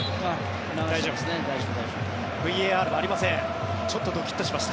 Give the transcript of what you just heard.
ＶＡＲはありません。